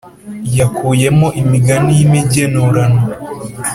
yakuyemo imigani y’imigenurano.